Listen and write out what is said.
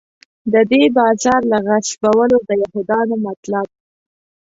د دې بازار له غصبولو د یهودانو مطلب.